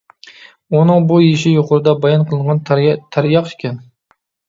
ئۇنىڭ بۇ يېشى يۇقىرىدا بايان قىلىنغان تەرياق ئىكەن.